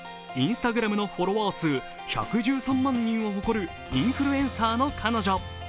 Ｉｎｓｔａｇｒａｍのフォロワー数１１３万人を誇るインフルエンサーの彼女。